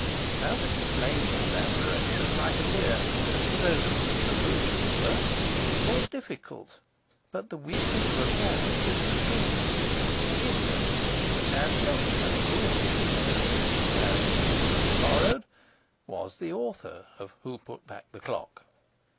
How to explain that admiration might appear (to those who have perused the work) more difficult; but the weakness of a parent is extreme, and Gideon (and not his uncle, whose initials he had humorously borrowed) was the author of Who Put Back the Clock?